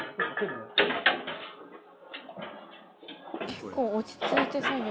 結構落ち着いて作業。